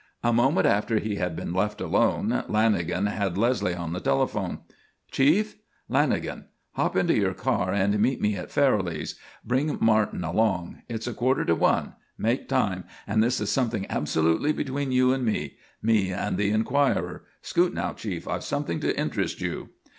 A moment after he had been left alone Lanagan had Leslie on the telephone. "Chief? Lanagan. Hop into your car and meet me at Farrelly's. Bring Martin along. It's quarter to one. Make time. And this is something absolutely between you and me; me and the Enquirer. Scoot now, Chief. I've something to interest you."